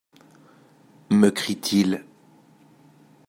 me crie-t-il…